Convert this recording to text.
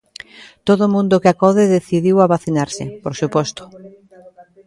Todo o mundo que acode decidio a vacinarse, por suposto.